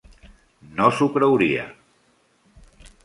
No s'ho creuria.